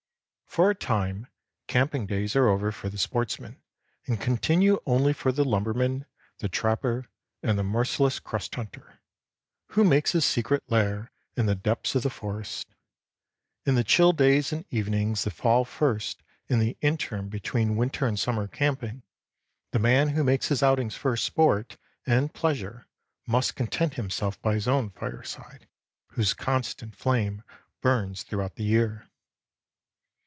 For a time, camping days are over for the sportsman, and continue only for the lumberman, the trapper, and the merciless crust hunter, who makes his secret lair in the depths of the forest. In the chill days and evenings that fall first in the interim between winter and summer camping, the man who makes his outings for sport and pleasure must content himself by his own fireside, whose constant flame burns throughout the year.